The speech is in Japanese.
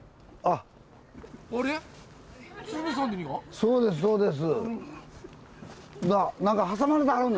そうですそうです。